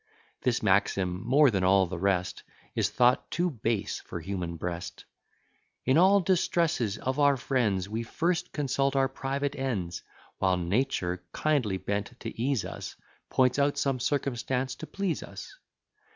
This maxim more than all the rest Is thought too base for human breast: "In all distresses of our friends, We first consult our private ends; While nature, kindly bent to ease us, Points out some circumstance to please us."